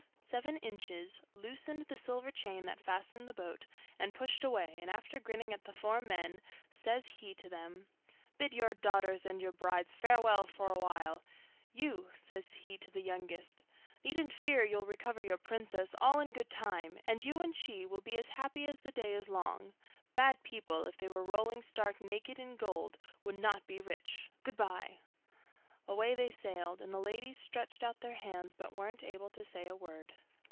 Seven Inches loosened the silver chain that fastened the boat, and pushed away, and after grinning at the four men, says he to them. 'Bid your daughters and your brides farewell for awhile. You,' says he to the youngest, 'needn't fear, you'll recover your princess all in good time, and you and she will be as happy as the day is long. Bad people, if they were rolling stark naked in gold, would not be rich. Good bye.' Away they sailed, and the ladies stretched out their hands, but weren't able to say a word.